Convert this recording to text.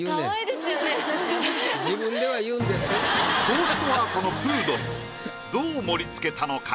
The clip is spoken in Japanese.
トーストアートのプードルどう盛りつけたのか？